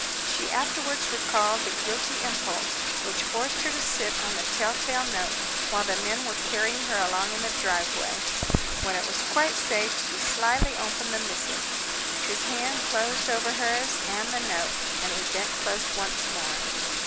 She afterwards recalled the guilty impulse which forced her to sit on the tell tale note while the men were carrying her along in the driveway. When it was quite safe she slyly opened the missive. His hand closed over hers, and the note, and he bent close once more.